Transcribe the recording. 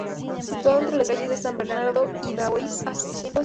Situado entre las calles de San Bernardo y Daoiz, haciendo esquina.